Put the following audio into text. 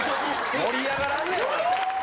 盛り上がらんねん。